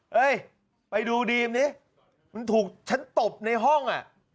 เฮ้ยไปดูดีมดิมันถูกฉันตบในห้องอ่ะ